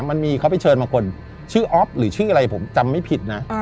มันมีเขาไปเชิญมาคนชื่ออ๊อฟหรือชื่ออะไรผมจำไม่ผิดนะ